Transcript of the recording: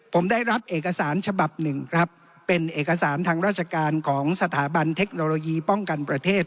ผมได้รับเอกสารฉบับหนึ่งครับเป็นเอกสารทางราชการของสถาบันเทคโนโลยีป้องกันประเทศ